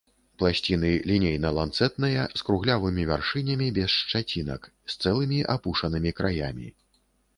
Пласціны лінейна-ланцэтныя, з круглявымі вяршынямі без шчацінак, з цэлымі апушанымі краямі.